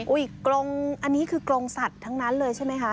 กรงอันนี้คือกรงสัตว์ทั้งนั้นเลยใช่ไหมคะ